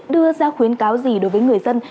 đưa ra khuyến cáo gì đối với người dân